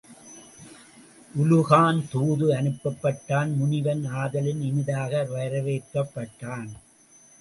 உலூகன் தூது அனுப்பப்பட்டான் முனிவன் ஆதலின் இனிதாக வரவேற்கப்பட்டான்.